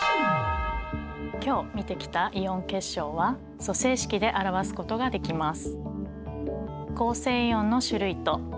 今日見てきたイオン結晶は組成式で表すことができます。